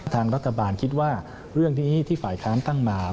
ทางรัฐบาลคิดว่าเรื่องนี้ที่ฝ่ายค้านตั้งมา